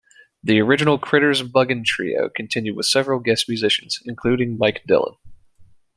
The original Critters Buggin trio continued with several guest musicians, including Mike Dillon.